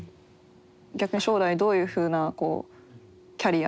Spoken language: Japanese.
逆に将来どういうふうなキャリア？